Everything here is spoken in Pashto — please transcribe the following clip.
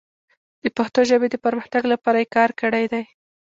د پښتو ژبې د پرمختګ لپاره یې کار کړی دی.